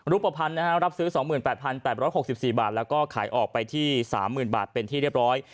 รูปภัณฑ์รับซื้อ๒๘๘๖๔บาทแล้วก็ขายออกไปที่๓๐๐๐บาทเป็นที่เรียบร้อย